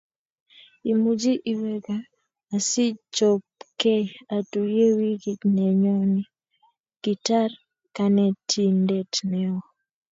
Imuchi iwe gaa asichobkei otuye wikit nenyoni . Kitar Kanentindet neo